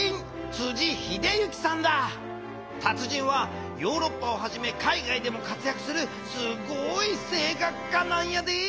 達人はヨーロッパをはじめ海外でも活やくするすごい声楽家なんやで！